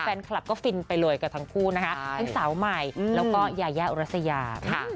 แฟนคลับก็ฟินไปเลยกับทั้งคู่นะคะทั้งสาวใหม่แล้วก็ยายาอุรัสยาค่ะ